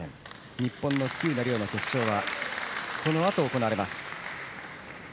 日本の喜友名諒の決勝はこのあと行われます。